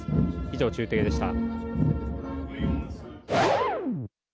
以上、中継でした。